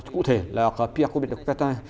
cụ thể là piacobit pétain